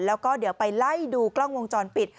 แล้วก็เดี๋ยวไปไล่ดูกล้องวงจรปิด